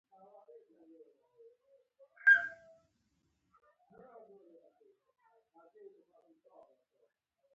د حضرت عيسی عليه السلام لارښوونې په ايمان کې نغښتې وې.